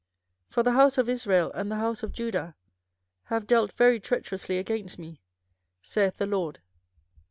24:005:011 For the house of Israel and the house of Judah have dealt very treacherously against me, saith the LORD.